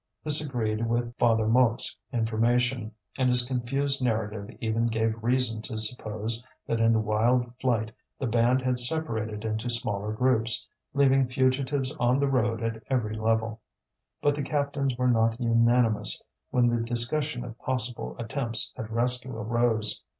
This agreed with Father Mouque's information, and his confused narrative even gave reason to suppose that in the wild flight the band had separated into smaller groups, leaving fugitives on the road at every level. But the captains were not unanimous when the discussion of possible attempts at rescue arose.